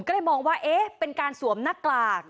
ก็เลยมองว่าเอ๊ะเป็นการสวมหน้ากาก